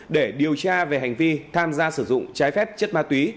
để điều tra về hành vi tham gia sử dụng trái phép chất ma túy